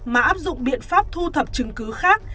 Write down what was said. mà áp dụng biện pháp thu thập chứng cứ khác